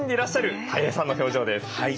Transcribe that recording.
はい。